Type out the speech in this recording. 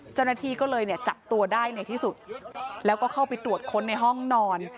เจ้าหน้าที่ก็เลยเนี่ยจับตัวได้ในที่สุดแล้วก็เข้าไปตรวจค้นในห้องนอน